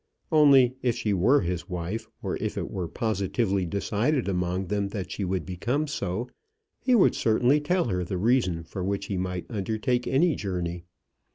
Only if she were his wife, or if it were positively decided among them that she would become so, he would certainly tell her the reason for which he might undertake any journey.